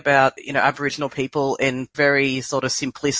orang orang aborigen dalam cara yang sangat simpulis